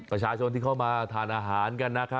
ประชาชนที่เข้ามาทานอาหาร